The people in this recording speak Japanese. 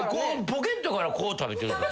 ポケットからこう食べてるってこと？